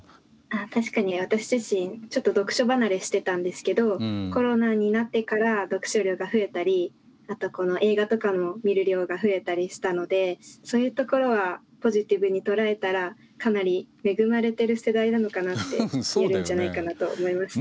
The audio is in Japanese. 確かに私自身ちょっと読書離れしてたんですけどコロナになってから読書量が増えたりあと映画とかも見る量が増えたりしたのでそういうところはポジティブに捉えたらかなり恵まれてる世代なのかなって言えるんじゃないかなと思います。